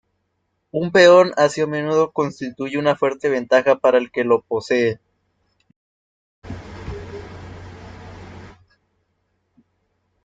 Un peón así a menudo constituye una fuerte ventaja para el que lo posee.